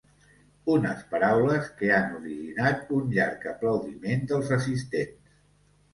Unes paraules que han originat un llarg aplaudiment dels assistents.